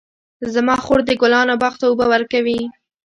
زما خور د ګلانو باغ ته اوبه ورکوي.